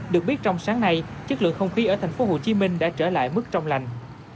được biết trong sáng nay chất lượng không khí ở tp hcm đã trở lại mức trong lành